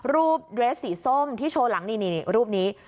รูปเดรสสีส้มที่โชว์หลังรูปนี้